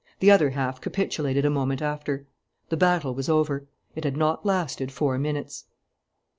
The other half capitulated a moment after. The battle was over. It had not lasted four minutes."